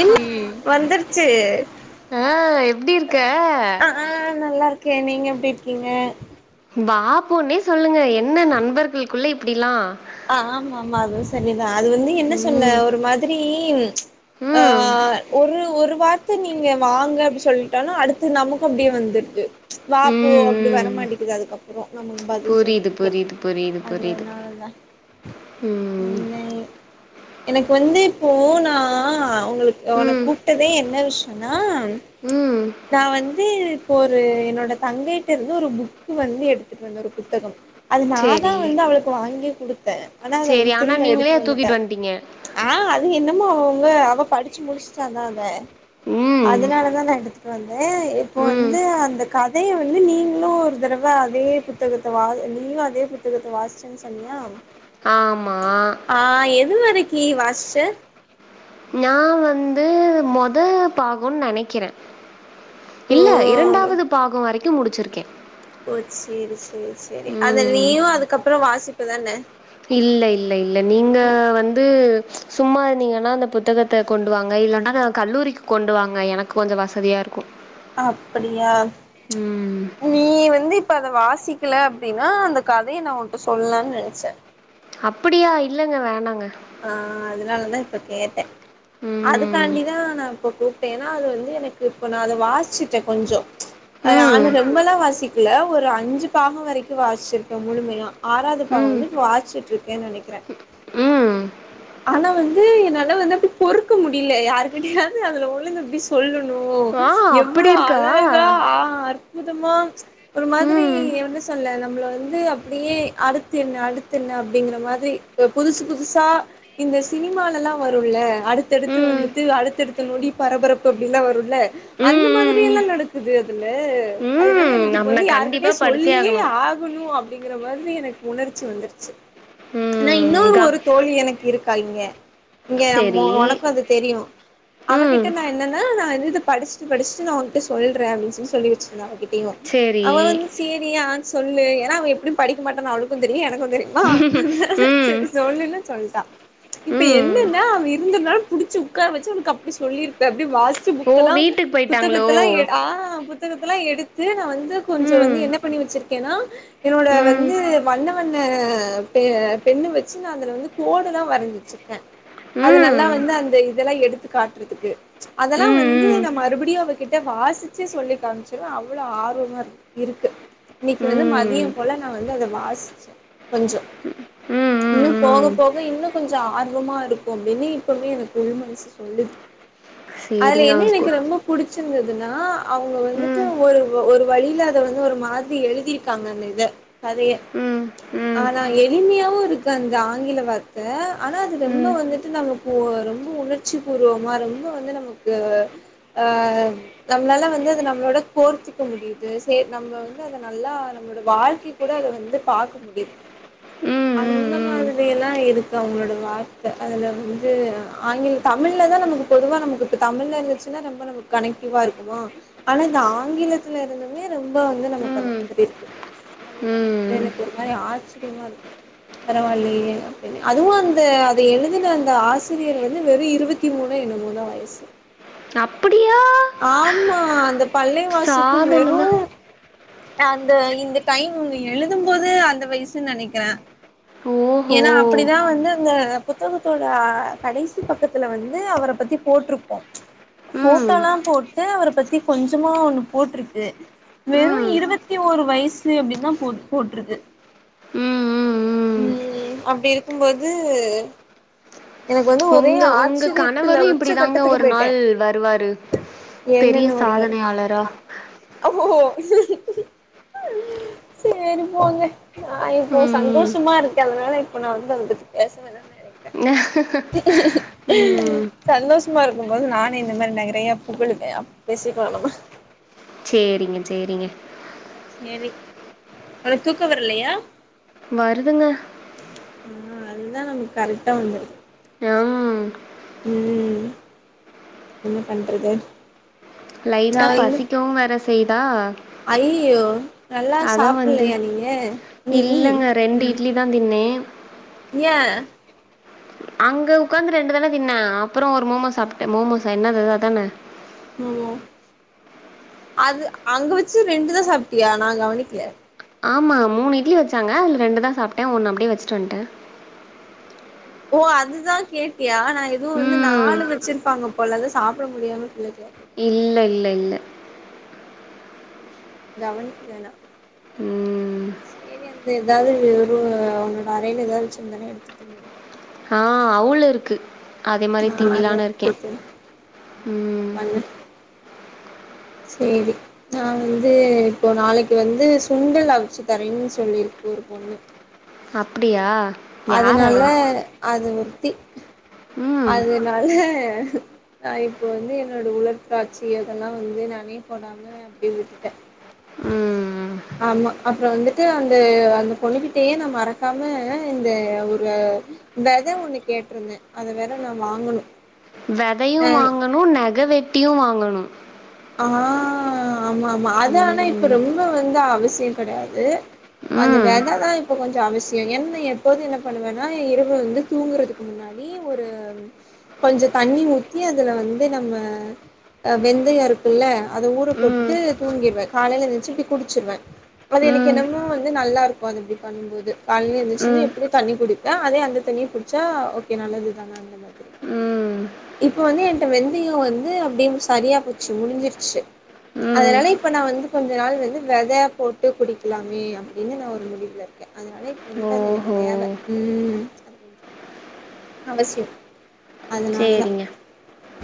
என்ன ஹாய் வந்துருச்சு ஆ எப்டி இருக்க கே நீங்க எப்டி இருக்கீங்க வா போனே சொல்லுங்க என்ன நண்பர்களுக்குள்ள இப்டிலா அ ஆமாமா அதுவு சரிதா அது வந்து என்ன சொல்ல ம் ஒரு மாதிரீ ஆ ம் ஒரு ஒரு வார்த்த நீங்க வாங்க அப்டி சொல்லி டனா அடுத்து நமக்கு அப்டியே வந்துருது வா ம் போ அப்டி ம் வரமாட்டிக்குது அதுக்கப்ரோ நமக்கு பதில் புரியுது சொல்றதுக்கே புரியுது புரியுது புரியுது அதுனால தா ம் என்னை எனக்கு வந்து இப்போ நா ஒங்களுக்கு ஒனக்கு ம் கூப்டதே என்ன விஷம்னா ம் நா வந்து இப்போ ஒரு என்னோட தங்கைட்ட இருந்து ஒரு புக் வந்து எடுத்து வந்த ஒரு புத்தகம் அது நாதா சேரி வந்து அவளுக்கு வாங்கியே குடுத்தே ஆனா அத சேரி வந்து ஆனா திரும்ப நீங்களே எடுத்துட் வந்துட்டே தூக்கிட்டு வந்ட்டீங்க ஆ அது என்னமோ அவுங்க அவ படிச்சு முடிஸ்ட்டாதாத ம் அதனாலதா நா எடுத்துட்டு வந்தே இப்போ ம் வந்து அந்த கத் கதைய வந்து நீங்களும் ஒரு தடவ அதே புத்தகத்த வா நீங்களும் அதே புத்தகத்த வாசிச்சா சோன்யா ஆமா ஆ எது வரைக்கி வாசிச்ச நா வந்து மொத பாகோ நெனைக்கிறே ஓ இல்ல இரண்டாவது பாகோ வரைக்கு முடிச்சிருக்கே ஓ செரி செரி செரி அத ம் நீயு அதுக்கப்ரோ வாசிப்பதான இல்ல இல்ல இல்ல நீங்க வந்து சும்மா இருந்தீங்கன்னா அந்த புத்தகத் த கொண்டு வாங்க இல்லன்னா கல்லூரிக்கு கொண்டு வாங்க எனக்கு கொஞ்சோ வசதியா இருக்கு அப்படியா ம் நீ வந்து இப்ப அத வாசிக்கல அப்டின்னா அந்த கதைய நா உன்ட்ட சொல்லலானு நெனச்சே அப்டியா இல்லங்க வேணாங்க ஆ அதனாலதா இப்ப கேட்டே ம் அதுக்காண்டிதா நா கூப்டேன்னா அது வந்து எனக்கு இப்ப நா அத வாஸ்ச்சுட்டே கொஞ்சோ ம் நானு ரொம்பலா வாசிக் ல ஒரு அஞ்சு பாகோ வரைக்கு வாஸ்ச்சிருப்பே முழுமையா ஆறாவது பாகோ ம் வந்து இப்ப வாஸ்ச்சுட்ருக்கேனு நெனைக்றே ம் ஆனா வந்து என்னால வந்து அப்டி பொறுக்க முடியல யாருக்கிட்டையாவது அதுல ஒழுங்க பிஸ் சொல்லுணு ஆ அப்படி எவ்ளோ இருக்கா அழகா ஆ அற்புதமா ஒரு மாதிரி ம் என சொல்ல நம்மள வந்து அப்டியே அடுத்து என்ன அடுத்து என்ன அப்டிங்கிற மாதிரி ஒரு புதுசு புதுசா இந்த சினிமால லா வருல அடுத்தடுத்து ம் வந்துட்டு அடுத்தடுத் து நொடி பரபரப்பு அப்டிலா வருல அந்த ம் ம் மாதிரி ம் எல்லா நடக்குது அதுல அதனால ம் எனக்கு இப்ப நம்ம நா வந்து கண்டிப்பா யாருகிட்டயு படிச்சே சொல்லியே ஆகணு ஆ க்குனு அப்டிங்கற மாதிரி எனக்கு உணர்ச்சி வந்துருச்சு ஆ ம் இன்னொரு க ஒரு தோழி எனக்கு இருக் கா இங்க இங்க சேரி உனக்கு அது தெரியு ம் அவகிட்ட நா என்னன்னா நா இது படிச்சுட்டு படிச்சுட்டு நான் உன்கிட்ட சொல்லறே அப்டின்னு சொன்னனு சொல்லி வச்சிருந்த அவகிட்டயையு சேரி அவ வந்து சேரியான்னு சொல்லு ஏன்னா அவ எப்டியு படிக்க மாட்டான்னு அவளுக்கு தெரியு எனக்கு தெரியு வா ம் செரி சொல்லன்ன சொல்ட்டா இப்ப ம் என்னன்னா அவ இருந்ததுனால புடிச்சு உக்கார வச்சு அவனுக்கு அப்டி சொல்லியிருபே அப்டி வாசி ச்சு ஓ புக்க எல்லா வீட்டுக்கு போயிட்டாங்களோ புத்தகத்தல்லா எடு ஆ புத்தகத்தல்லா எடுத்து நா வந்து கொஞ்சோ வந்து ம் என்ன பண்ணி வச்சிருக்கேன்னா என்னோட ம் வந்து வண்ண வண்ண பெ பென்னு வெச்சு நா அதுல வந்து கோடுதா வர ச்சிருக்க அது நல்லா ம் வந்து அந்த இதெல்லா எடுத்து காட்டுறதுக்கு அதெல்லா ம் வந்து ம் நா மறுபடியு அவகிட்ட வாசிச்சே சொல்லி காமிச்ச அவ்ளோ ஆர்வமா இருக்கு இன்னைக்கு வந்து ம் மதியம் போல நா வந்து அத வாசிச்சே கொஞ்சோ ம் ம் இன்னு போக ம் போக இன்னும் கொஞ்சோ ஆர்வமா இருக்கு அப்டின்னு இப்பவே எனக்கு உள் மனசு சொல்லுது அதுல சேரிங்க என்ன அவங்க ஸ்கூ எனக்கு ரொம்ப புடிச்சிருந்துதுனா அவ்ங்க வந்துட்டு ம் ஒரு ஒரு வழில அத வந்து ஒரு மாரி எழிதிருக்காங்க அந்த இத கதய ம் ம் ஆனா எளிமையாவு இருக்கு அந்த ஆங்கில வார்த் தே ஆனா அது ரொம்ப ம் ம் வந்துட்டு நமக்கு ரொம்ப உணர்ச்சி பூர்வமா ரொம்ப வந்து நமக்கு ஆ நம்மளால வந்து அத நம்மளோட கோர்த்துக்க முடியுது செரி நம்ம வந்து அத நல்லா நம்மளோட வாழ்க்கைக் கூட அத வந்து பாக்க முடிது அந்த ம் மாதிரில்லா இருக் கு அவங்களோட வார்த்த அதுல வந்து ஆங்கில தமிழ்ல தா நமக்கு பொதுவா நமக்கு இப்ப தமிழ்ல லாங்குவேஜ் ச்சினா நம்ம நமக்கு கனெக்டிவா இருக்குமோ ஆனா இந்த ஆங்கிலத்துல இருந்துமே ரொம்ப வந்து ம் நமக்கு அந்த ம் மாரி இருக்கு அதுதா வந்து ம் எனக்கு ஒரு மாரி ஆச்சரியமா இருக்கு பரவாயல்லையே அப்டினு அதுவு அந்த அத எழுதுன அந்த ஆசிரியர் வந்து வெறு இருபத்தி மூணோ என்னமோ தா வயசு அப்பிடியா ஆமா அந்த பல்லேவாசுக்கு வெறு தா அந்த இந்த டைம் எழுதும்போது அந்த வயசு னு நெனைக்கிற ஓஹோ ஏனா அப்டிதா வந்து அந்த புத்தகத்தோட கடைசி பக்கத்துல வந்து அவர பத்தி போட்ருக்கு ம் ஃபோட்டோல்லா போட்டு அவர பத்தி கொஞ்சமா ஒண்ணு போட்ருக்கு வெறு ம் ம் இருவத்தி ஒரு வயசு அப்டின்னு தா போட் போட்ருக்கு ம் ம் ம் அப்டி இருக்கும்போது எனக்கு வந்து ஒரே ஒங்க ஒங்க ஆச்சரியத்துல கணவரு உச்ச இப்டிதாங்க கட்டத்துக்கு ஒரு போயிட்டே நாள் வருவாரு பெரிய என்னன்னு வருவாரு சாதனையாளரா ஓ செரி போங்க நா இப்போ ம் சந்தோஷமா இருக்க அதனால இப்போ நா வந்து அதப்பத்தி பேசவேணா ம் சந்தோஷமா இருக்கு போது நானு இந்த மாரி நறைய புகழுவே அப் பேசிக்கலா நம சேரிங்க சேரிங்க சேரி உனக் தூக்கோ வர்லயா வருதுங்க ஆ அதுதா நமக்கு கரெக்டா வந்துருது ம் ம் என்ன பண்றது லைட்டா பசிக்கவு வேற செய்தா அய்யியோ நல்லா அதா வந்து சாப்புல்லயா நீங்க நீ இல்லங்க ரெண்டு ம் இட்லி தா தின்னே ஏ அங்க உக்காந்து ரெண்டு தான தின்னே அப்றோ ஒரு மோமோஸ் சாப்ட்டே மோமோசா என்னது அது அதான ஓ ஓ அது அங்க வச்சு ரெண்டு தான் சாப்ட்டியா நா கவுனிக்குல ஆமா மூணு இட்லி வச்சாங்க அதுல ரெண்டு தா சாப்ட்டே ஒன்னு அப்டியே வச்சுட்டு வன்ட்ட ஓ அதுதா கேட்டியா நா எதோ வந்து ம் நாலு வச்சிருப்பாங்க போலது சாப்ட முடியாம [inaudible] இல்ல இல்ல இல்ல கவனிக்கில நா ம் செரி அந்த எதாது ஒரு உன்னோட அரைல ஏதாது வச்சுருந்தனா எடுத்து தின்னு ஹா அவுளு இருக்கு அதே மாரி ஆ அத திங்கிலான்னு இருக்கே எடுத்து தின்னு ஆ அத ம் பண்ணு சேரி நா வந்து இப்போ நாளைக்கு வந்து சுண்டல் அவிச்சு தரேன் சொல்லிருக்கு ஒரு பொண்ணு அப்டியா யார் அவ அதுனால அது முத்தி ம் அது னால நா இப்போ வந்து என்னோட உலர் காட்சி அதெல்லா வந்து நானே போடாம ஆ அப்டே விட்டுட்டே ம் ஆமா அப்றோ வந்துட்டு அந்த அந்த பொண்ணுக்கிட்டயே நா மறக்கமாக இந்த ஒரு வெத ஒன்னு கேட்ருந்தே அத வேற நா வாங்கணு வெதையு வாங்கணு நெக வெட்டியு வாங்கணு ஆ ஆமா ஆமா அது ஆனா இப்ப ம் ரொம்ப வந்து அவசியப்படாது அந்த ம் வெத தா இப்ப கொஞ்சோ அவசியோ என்ன எப்போது என்ன பண்ணுவேனா இரவு வந்து தூங்குறதுக்கு முன்னா டி ஒரு கொஞ்சோ தண்ணி ஊத்தி அதுல வந்து நம்ம அ வெந்தயோ இருக் குல்ல அத ஊர ம் போட்டுட்டு தூங்கிடுவே காலைல எந்திருந்துச்சு போய் குடிச்சிருவே அது எனக்கு ம் என்னமோ வந்து நல்லாருக்கோ அது அப்டி பண்ணும்போது கால ஏந்திச்சி வந்து ம் எப்டியு தண்ணி குடிப்பே அதே அந்த தண்ணிய குடி ச்சா ஓகே நல்லது தான அந்த மாரி ம் இப்ப வந்து என்ட்ட வெந்தயோ வந்து அப்டியு சரியா போச்சு முடிஞ்சிருச்சு ம் அதனால இப்ப நா வந்து கொஞ்ச நாள் வந்து வெத போட்டு குடிக்லாமே அப்டின்னு நா ஒரு முடிவுல இருக்கே அதுனால இப்ப வந்துட்டு அது எனக்கு ஓஹோ தேவ ம் கொஞ்சோ அவசியம் அதனால தா சேரிங்க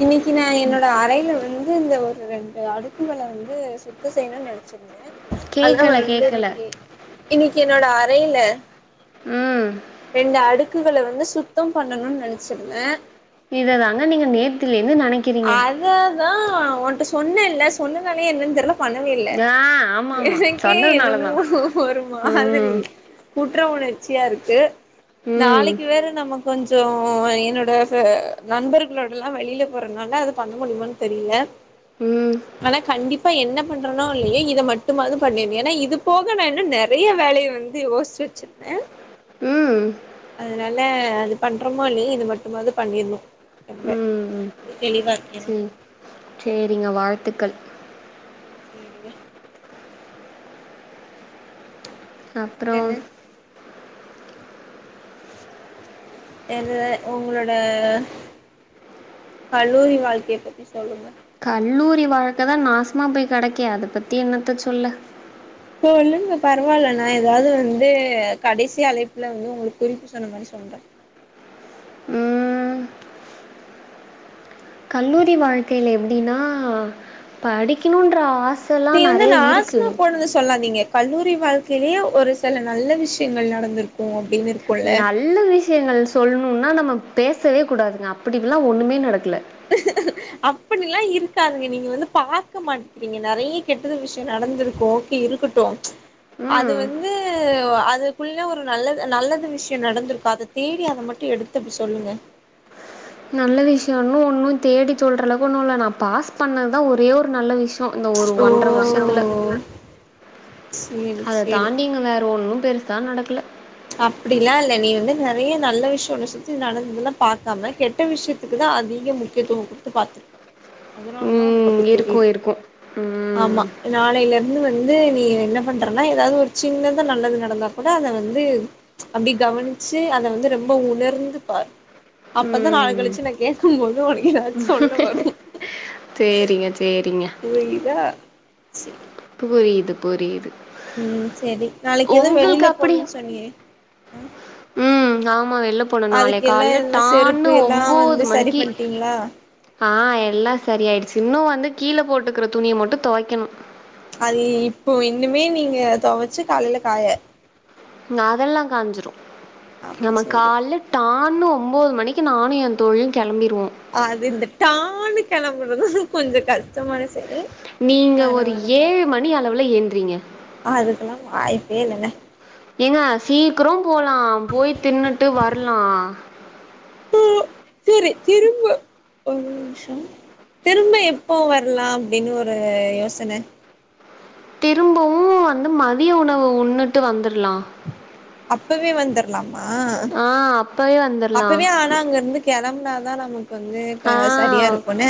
இன்னைக்கு நா என்னோட அறைல வந்து இந்த ஒரு ரெண்டு அடுக்குகள வந்து த்தோ செய்ணுனு நெனைச்சிருந்தே அதுலா கேக்கல வந்து கேக்கல இன்னைக்கு இன்னைக்கு என்னோட அறைல ம் ரெண்டு அடுக்குகள வந்து சுத் சுத்தோ பண்ணணுன் நெனச்சிருந்தே இததாங்க நீங்க நேத்திலேந்து நெனைக்க அத தா ஒன்ட்ட சொன்னேல சொன்னனாலே என்னன் தெர்ல பண்ணவே இல்ல ஆ ஆமாமா எனக்கே என்னமோ சொன்னதுனாலதா ஒ ஒரு ம் மாதிரி குற்ற உணர்ச்சியா இருக்கு ம் நாளைக்கு வேற நம்ம கொஞ்சோ என்னோட அ நண்பர்களோடல்லா வெளில போறனால அது பண்ண முடியுமான் தெரியில ம் ஆனா கண்டிப்பா என்ன பண்றனோ இல்யோ இத மட்டும்மாவ்து பண்ணிட்ன் ஏனா இது போக நா இன்னு நெறய வேலைய வந் து யோஸ்ச்சு வெச்சிர்ந்தே ம் அதனால அது பண்றோமோ இல்லிய இது மட்டுமாவ்து பண்ணிட்ணு ரொம்ப தெளிவா இருக்கேனா ம் சேரிங்க வாழ்த்துக்கள் அ சேரிங்க வேற அப்புறோம் என்ன எத உங்களோட கல்லூரி வாழ்க்கிய பத்தி சொல்லுங்க கல்லூரி வாழ்க்க தா நாசமா போய் கெடக்கே அத பத்தி என்னத்த சொல்ல சொல்லுங்க பரவால்ல நா எதாவ்து வந்து கடைசி அழைப்புல வந்து உங்களுக் குறிப்பு சொன்ன மாரி சொல்றே ம் கல்லூரி வாழ்க்கையில எப்டீனா படிக்கணுன்ற ஆச நீ வந்து நாசம போனது சொல்லாதீங்க கல்லூரி வாழ்க்கையிலேயே ஒரு செல நல்ல விஷ்யங்கள் நடந்திருக்கு அப்டின் இரு நல்ல விஷயங்கள் சொல்ணுன்னா நம்ம பேசவே கூடாதுங்க அப்படில்லா ஒண்ணுமே நடக்கல அப்படிலா இருக்காதுங்க நீங்க வந்து பார்க்க மாட்டிக்கிறீங்க நெறைய கெட்டது விஷயம் நடந்திருக்கு ஓ கே இருக்கட்டு அது ம் வந்து அதுக்குள்ள ஒரு நல்லது நல்லது விஷ்யு நடந்திருக்கு அது தேடி அத மட்டு எடுத்து அப்டி சொல்லுங்க நல்ல விஷயு இன்னு ஒன்னு தேடி சொல்றளவு ஒன்னு இல்ல நா பாஸ் பண்ணதுதா ஒரே ஒரு நல்ல விஷ் இந்த ஒரு ஓ ஒன்ற வருஷத்தில சேரி அத சேரி தாண்டி இங்க வேற ஒண்ணு பெருசா நடக்கல அப்படிலா இல்ல நீ வந்து நெறய நல்ல விஷயு உன்ன சுத்தி நடந்தெல்லா பாக்காம கெ ட்ட விஷயத்துக்கு தா அதிக முக்கியத்துவம் குட்த்து பாத்திருக்க அதனால தா உ னக் அப்டி ம் இருக்கு தெரிது இருக்கு ஆமா ம் நாளைலர்ந்து வந்து நீ என்ன பண்றன்னா எதாவ்து ஒரு சின்னதா நல்லது நடந்தா கூட அத வந்து அப்டி கவன்ச்சு அத வந்து ரொம்போ உணர்ந்து பாரு அப்பதா நாள் ம் கழிச்சு உன கே க்குமோது உனக்கு எதாச் சொல்ல வரு சேரிங்க சேரிங்க புரியிதா சே புரியிது புரியிது ம் சேரி நாளைக் எதோ வெளியில அப்டி போணுன் சொன்னியே ஆ ம் ஆமா வெள்ல போனு நாளைக் கால்ல எல்லா செருப்பு டான்னு எல்லா உம்போது வந்து சரி மணிக்கி பண்ட்டீங்களா ஆ எல்லா சரி ஆயிடிச்சு இன்னு வந்து கீழே போட்டுக்கிற துணிய மட்டு தொவைக்கணு அது இப்போ இன்னுமே நீங்க தொவச்சு காலைல காய ம் அதெல்லா காஞ்சிரு அப்ப நம்ம சரி கால்ல டான்னு ஒம்பது மணிக்கு நானு எ தோழியு கெளம்பிருவோ அது இந்த டான்னு கெளம்புறதா கொஞ்ச கஷ்டமான செயல் நீங்க ஒரு பரவாலக்கா ஏழு மணி அளவுல எந்த்றீங்க அதுக்கெல்லா வாய்ப்பே இல்லங்க ஏங்க சீக்ர போலா போய் தின்னுட்டு வர்லா ஓ செரி திரும்ப ஒரு நிமிஷ திரும்ப எப்போ வரலா அப்படின்னு ஒரு யோசன திரும்பவு வந்து மதிய உணவு உண்ணுட்டு வந்தர்லா அப்பவே வந்தர்லாமா ஆ அப்பவே வந் அப்பவே ஆனா அங்கருந்து கெளம்புனாதா நமக்கு வந்து ஆ சரியா இருக்குனு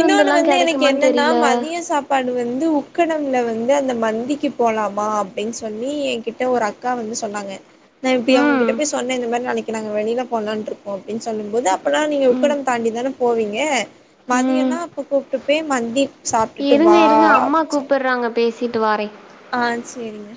இன்னொன்னு வந்து எனக்கு கெடைக்குமான்னு என்னன்னா தெரியல. மதிய சாப் ப்பாடு வந்து உக்கடம்ல வந்து அந்த மந்திக்கு போலாமா அப்படின் சொல்லி என் கிட்ட ஒரு அக் கா வந்து சொன்னாங்கா நா இப்படி ம். அவங்ககிட்ட போய் சொன்ன இந்த மாரி நாளைக்கு நாங்க வெளில போலான்ட்ருக்கோ அப்படின்னு சொல்லு போது அப்பல்லா நீங்க ம். உக்கடம் தாண்டி தான போவீங்க ம். மதியம்னா அப்ப கூப்ட்டு போய் மந்தி சாப்ட்டுட்டு இருங்க வா இருங்க அம்மா அப்டின்னு சொ கூப்ட்றாங்க பேசிட்டு வறே ஆ செரிங்க